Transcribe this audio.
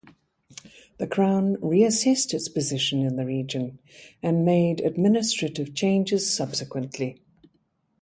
The crown re-assessed its position in the region and made administrative changes subsequently.